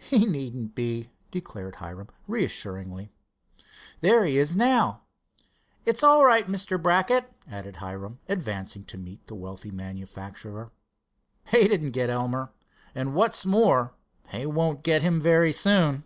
"He needn't be," declared Hiram, reassuringly. "There he is now. It's all right, Mr. Brackett," added Hiram, advancing to meet the wealthy manufacturer. "They didn't get Elmer, and, what's more, they won't get him very soon."